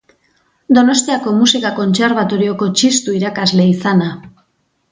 Donostiako Musika Kontserbatorioko Txistu irakasle izana.